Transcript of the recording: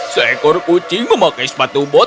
seekor kucing memakai sepatu bot